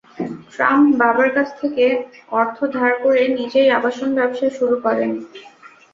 Trump বাবার কাছ থেকে অর্থ ধার করে নিজেই আবাসন ব্যবসা শুরু করেন।